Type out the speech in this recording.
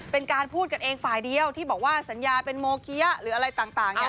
เป็นการพูดกันเองฝ่ายเดียวที่บอกว่าสัญญาเป็นโมเกี้ยหรืออะไรต่างเนี่ย